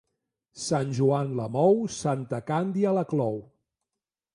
Sant Joan la mou, santa Càndia la clou.